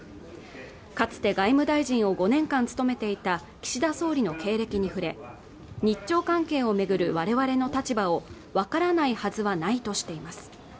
かつて外務大臣を５年間務めていた岸田総理の経歴に触れ日朝関係を巡る我々の立場をわからないはずはないとしています